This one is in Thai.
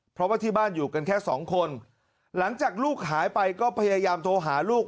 เพราะว่าที่บ้านอยู่กันแค่สองคนหลังจากลูกหายไปก็พยายามโทรหาลูก